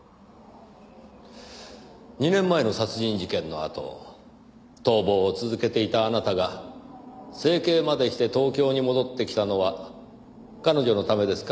２年前の殺人事件のあと逃亡を続けていたあなたが整形までして東京に戻ってきたのは彼女のためですか？